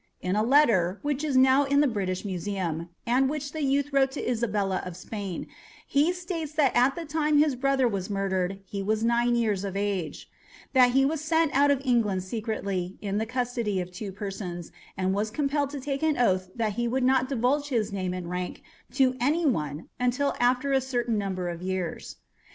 In a letter, which is now in the British Museum, and which the youth wrote to Isabella of Spain, he states that at the time his brother was murdered he was nine years of age; that he was sent out of England secretly, in the custody of two persons, and was compelled to take an oath that he would not divulge his name and rank to any one until after a certain number of years.